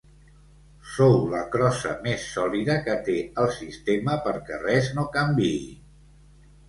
Sou la crossa més sòlida que té el sistema perquè res no canviï.